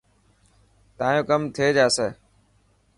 تايو ڪم ٿي جاسي.